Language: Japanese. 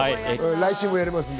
来週もやりますので。